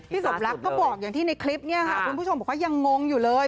สมรักก็บอกอย่างที่ในคลิปนี้ค่ะคุณผู้ชมบอกว่ายังงงอยู่เลย